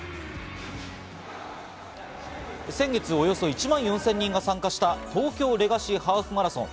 先月、およそ１万４０００人が参加した東京レガシーハーフマラソン。